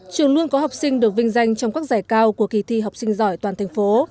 trường luôn có học sinh được vinh danh trong các giải cao của kỳ thi học sinh giỏi toàn thành phố